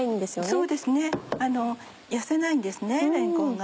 そうですね痩せないんですねれんこんが。